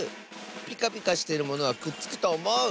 ピカピカしてるものはくっつくとおもう！